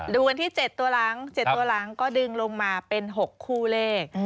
วันที่๗ตัวหลัง๗ตัวหลังก็ดึงลงมาเป็น๖คู่เลข